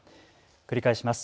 繰り返します。